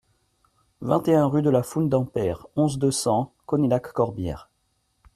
vingt et un rue de la Foun d'en Peyre, onze, deux cents, Conilhac-Corbières